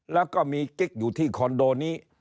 แล้วก็มีกิ๊กอยู่ที่คอนโดนี้